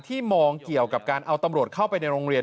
มองเกี่ยวกับการเอาตำรวจเข้าไปในโรงเรียน